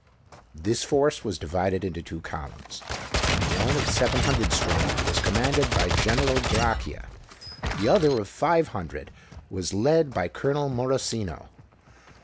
This force was divided into two columns: one of seven hundred strong was commanded by General Grachia; the other of five hundred was led by Colonel Morosino.